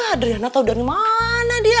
adriana tahu dari mana dia